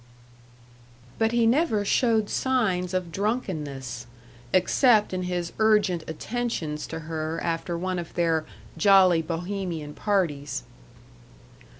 But he never showed signs of drunkenness, except in his urgent attentions to her after one of their "jolly Bohemian parties."